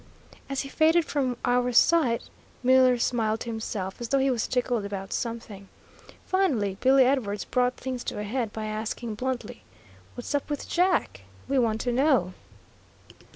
As he faded from our sight, Miller smiled to himself, as though he was tickled about something. Finally Billy Edwards brought things to a head by asking bluntly, "What's up with Jack? We want to know."